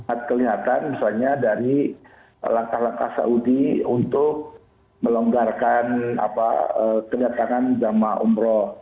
ada kelihatan misalnya dari langkah langkah saudi untuk melonggarkan kenyataan jama' umroh